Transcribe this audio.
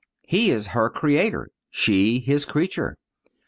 He is her Creator; she is His creature.